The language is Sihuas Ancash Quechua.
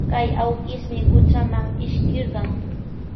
Kay awkishmi qutraman ishkirqan.